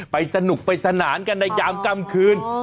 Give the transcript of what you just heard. ไปสนุกไปสนานกันในยามกลางคืน